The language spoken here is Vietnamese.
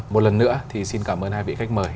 một lần nữa thì xin cảm ơn hai vị khách mời